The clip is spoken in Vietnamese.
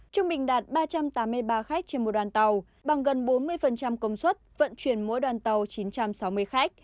trung bình đạt ba trăm tám mươi ba khách trên một đoàn tàu bằng gần bốn mươi công suất vận chuyển mỗi đoàn tàu chín trăm sáu mươi khách